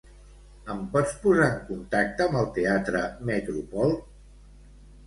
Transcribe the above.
Em pots posar en contacte amb el teatre Metropol?